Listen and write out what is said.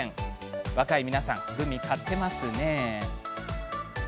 若い皆さんグミを買っていますね。